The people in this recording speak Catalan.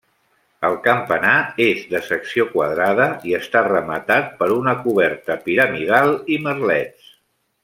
El campanar és de secció quadrada i està rematat per una coberta piramidal i merlets.